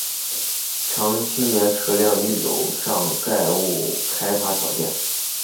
常青车辆段预留有上盖物业开发条件。